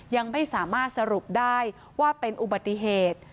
ยังไม่สามารถสรุปได้ว่าเป็นอุบัติเหตุ